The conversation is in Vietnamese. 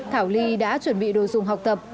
thảo ly đã chuẩn bị đồ dùng học tập